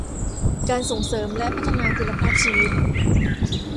การส่งเสริมและพัฒนาคุณภาพชีวิต